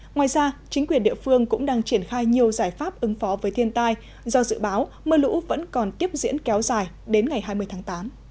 ngoài ra chính quyền địa phương cũng đang triển khai nhiều giải pháp ứng phó với thiên tai do dự báo mưa lũ vẫn còn tiếp diễn kéo dài đến ngày hai mươi tháng tám